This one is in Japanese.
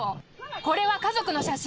これは家族の写真。